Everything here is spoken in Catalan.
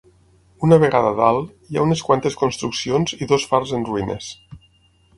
Una vegada a dalt, hi ha unes quantes construccions i dos fars en ruïnes.